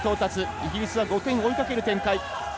イギリスは５点を追いかける状態。